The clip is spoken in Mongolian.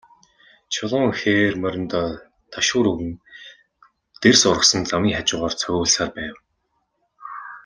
Чулуун хээр мориндоо ташуур өгөн, дэрс ургасан замын хажуугаар цогиулсаар байв.